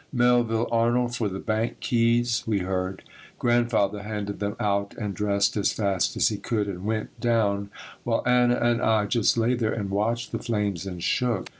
"Melville Arnold for the bank keys," we heard. Grandfather handed them out and dressed as fast as he could and went down, while Anna and I just lay there and watched the flames and shook.